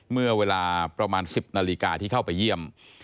เมื่อเวลาประมาณ๑๐นาฬิกาที่เข้าไปเยี่ยม